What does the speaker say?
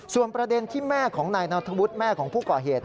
ส่วนประเด็นที่แม่ของนายนัทธวุฒิแม่ของผู้ก่อเหตุ